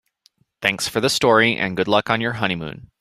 Thanks for the story and good luck on your honeymoon.